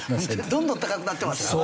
どんどん高くなってますよね。